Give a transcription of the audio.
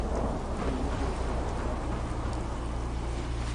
Ունի երկու ավանդատուն։